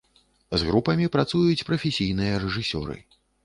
З групамі працуюць прафесійныя рэжысёры.